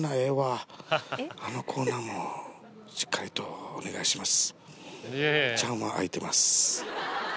あのコーナーもしっかりとお願いします。